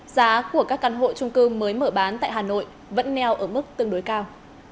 giá của các căn hộ trung cư mới mở bán tại hà nội vẫn neo ở mức tương đối cao